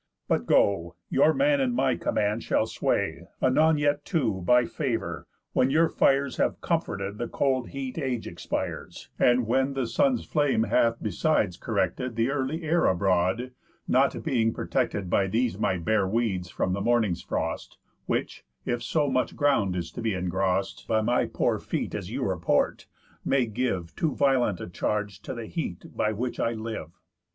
But go; your man in my command shall sway, Anon yet too, by favour, when your fires Have comforted the cold heat age expires, And when the sun's flame hath besides corrected The early air abroad, not being protected By these my bare weeds from the morning's frost, Which (if so much ground is to be engrost By my poor feet as you report) may give Too violent charge to th' heat by which I live."